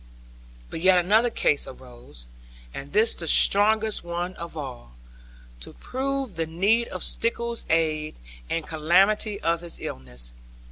But yet another cause arose, and this the strongest one of all, to prove the need of Stickles's aid, and calamity of his illness.